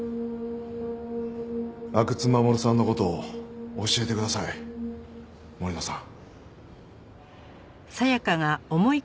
阿久津守さんの事を教えてください森野さん。